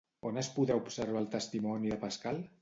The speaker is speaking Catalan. On es podrà observar el testimoni de Pascal?